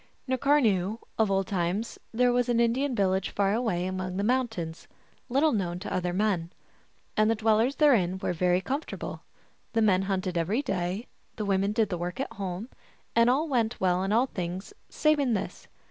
N karnayoo, of old times, there was an Indian village far away among the mountains, little known to other men. And the dwellers therein were very comfortable : the men hunted every day, the women did the work at home, and all went well in all things save in this.